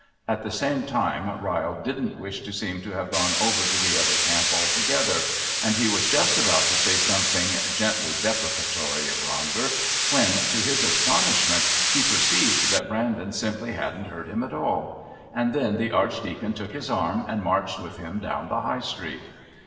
At the same time Ryle didn't wish to seem to have gone over to the other camp altogether, and he was just about to say something gently deprecatory of Ronder when, to his astonishment, he perceived that Brandon simply hadn't heard him at all! And then the Archdeacon took his arm and marched with him down the High Street.